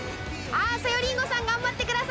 さゆりんごさん頑張ってください！